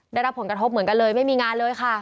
ได้รับผลกระทบเหมือนกันเลยไม่มีงานเลยค่ะ